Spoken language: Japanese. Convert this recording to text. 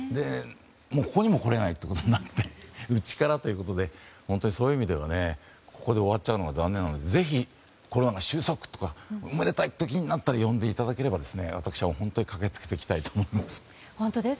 ここにも来れないってことになって家からということでそういう意味ではここで終わっちゃうのが残念なのでぜひ、コロナ収束とかおめでたいことになってから呼んでいただければ私は駆け付けたいと思います。